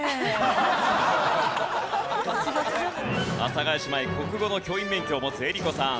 阿佐ヶ谷姉妹国語の教員免許を持つ江里子さん。